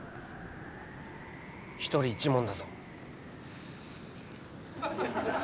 一人一問だぞ。